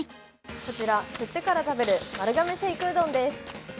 こちら振ってから食べる丸亀シェイクうどんです。